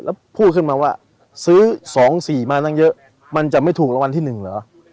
แล้วพูดขึ้นมาว่าซื้อสองสี่มานั่งเยอะมันจะไม่ถูกระวังที่หนึ่งเหรอ